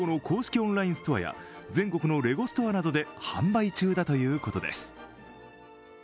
オンラインストアや全国のレゴストアなどで販売中だということです。